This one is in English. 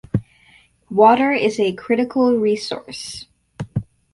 Water is a critical resource.